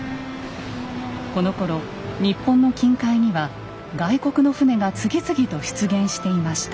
このころ日本の近海には外国の船が次々と出現していました。